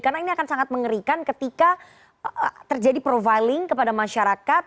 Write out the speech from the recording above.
karena ini akan sangat mengerikan ketika terjadi profiling kepada masyarakat